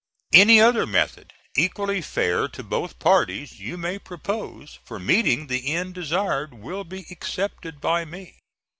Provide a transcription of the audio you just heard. Any other method, equally fair to both parties, you may propose for meeting the end desired will be accepted by me.